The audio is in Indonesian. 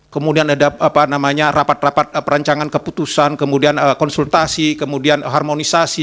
kemudian ada rapat rapat perancangan keputusan kemudian konsultasi kemudian harmonisasi